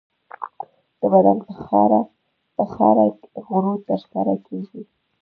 د بدن په ښکاره غړو نه ترسره کېږي.